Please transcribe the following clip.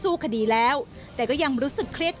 ทำไมเราต้องเป็นแบบเสียเงินอะไรขนาดนี้เวรกรรมอะไรนักหนา